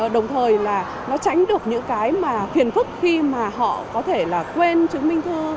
đồng thời là nó tránh được những cái mà phiền phức khi mà họ có thể là quên chứng minh thư